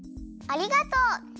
ありがとう！